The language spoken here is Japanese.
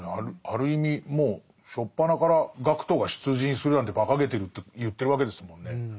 ある意味もう初っぱなから学徒が出陣するなんてばかげてるって言ってるわけですもんね。